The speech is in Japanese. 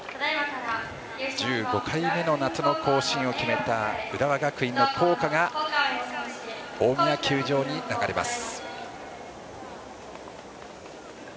１５回目の夏の甲子園を決めた浦和学院の校歌が大宮球場に流れます。